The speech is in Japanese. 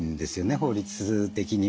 法律的にも。